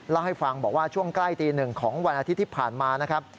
เล่าให้ฟังบอกว่าช่วงใกล้ตีหนึ่งของวันอาทิตย์ที่ผ่านมานะครับ